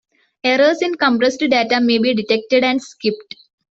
Errors in compressed data may be detected and skipped.